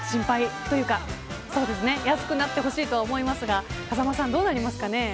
安くなってほしいとは思いますが風間さん、どうなりますかね。